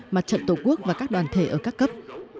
mặt trận tổ quốc và các đoàn thể ở các cấp